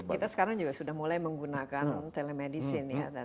kita sekarang juga sudah mulai menggunakan telemedicine ya